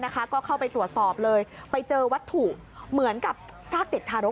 ก็เข้าไปตรวจสอบเลยไปเจอวัตถุเหมือนกับซากเด็กทารก